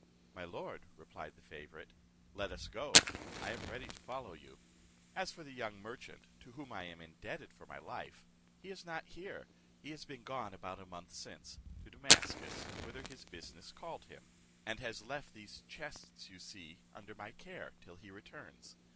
"My lord," replied the favourite, "let us go; I am ready to follow you. As for the young merchant, to whom I am indebted for my life, he is not here, he has been gone about a month since to Damascus, whither his business called him, and has left these chests you see under my care, till he returns.